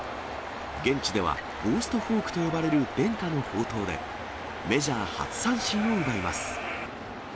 現地ではゴーストフォークと呼ばれる伝家の宝刀で、メジャー初三振を奪います。